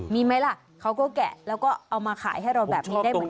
มีไหมล่ะเขาก็แกะแล้วก็เอามาขายให้เราแบบนี้ได้เหมือนกัน